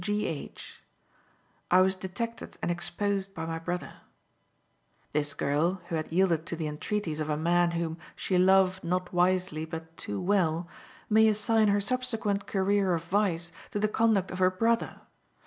G. H.: "I was detected and exposed by my brother." This girl, who had yielded to the entreaties of a man whom "she loved, not wisely, but too well," may assign her subsequent career of vice to the conduct of her brother.